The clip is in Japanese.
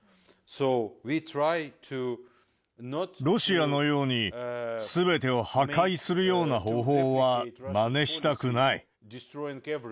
ロシアのように、すべてを破壊するような方法はまねしたくない。